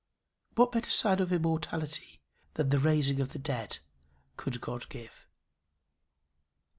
What better sign of immortality than the raising of the dead could God give?